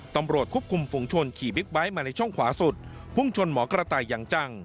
ตำรวจควบคุมฝุงชนขี่บิ๊กไบท์มาในช่องขวาสุดพุ่งชนหมอกระต่ายอย่างจัง